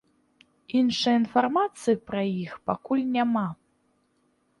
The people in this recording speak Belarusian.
Іншай інфармацыі пра іх пакуль няма.